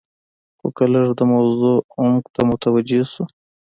خو که لږ د موضوع عمق ته متوجې شو.